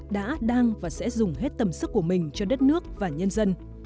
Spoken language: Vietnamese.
đã đang và sẽ dùng hết tầm sức của mình cho đất nước và nhân dân